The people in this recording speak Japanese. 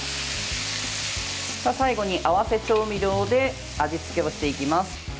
最後に合わせ調味料で味付けをしていきます。